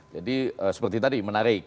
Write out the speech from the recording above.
jadi seperti tadi menarik